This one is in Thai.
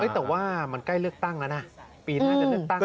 แต่ว่ามันใกล้เลือกตั้งแล้วนะ